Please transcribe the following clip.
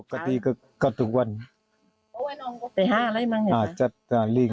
เราข้ามไปมากจากทะลุง